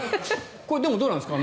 これ、どうなんですか。